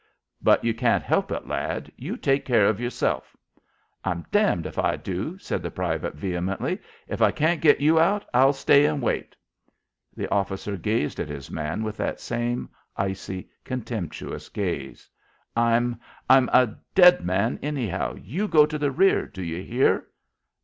"But you can't help it, lad. You take care of yourself." "I'm damned if I do," said the private, vehemently. "If I can't git you out, I'll stay and wait." The officer gazed at his man with that same icy, contemptuous gaze. "I'm I'm a dead man anyhow. You go to the rear, do you hear?"